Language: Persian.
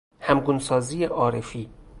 همگونسازی عارفی